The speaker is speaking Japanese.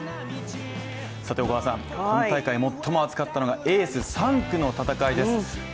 今大会、最も熱かったのがエース３区の戦いです。